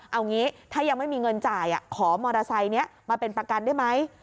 เอางี้ถ้ายังไม่มีเงินจ่ายขอมอเตอร์ไซค์นี้มาเป็นประกันได้ไหม